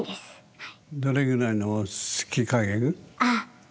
はい。